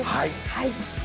はい。